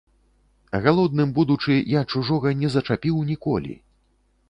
Галодным будучы, я чужога не зачапіў ніколі.